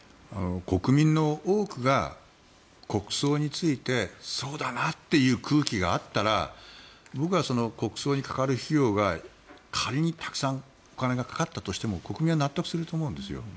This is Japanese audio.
国民の多くが国葬についてそうだなという空気があったら僕は国葬にかかる費用が、仮にたくさんお金がかかったとしても国民は納得すると思うんですよ。